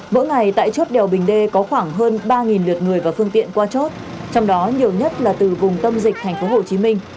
mỗi ngày tại chốt đèo bình đê có khoảng hơn ba lượt người và phương tiện qua chốt trong đó nhiều nhất là từ vùng tâm dịch thành phố hồ chí minh